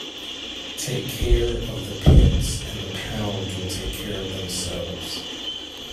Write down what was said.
Take care of the pence and the pounds will take care of themselves.